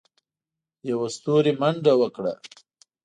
يوه ستوري منډه وکړه.